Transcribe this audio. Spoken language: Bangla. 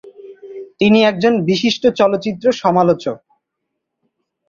তিনি একজন বিশিষ্ট চলচ্চিত্র সমালোচক।